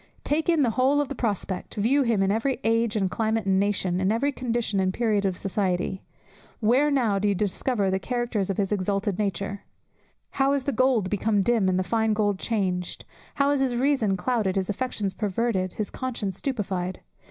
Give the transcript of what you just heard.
Take in the whole of the prospect, view him in every age, and climate, and nation, in every condition and period of society. Where now do you discover the characters of his exalted nature? "How is the gold become dim, and the fine gold changed?" How is his reason clouded, his affections perverted; his conscience stupified!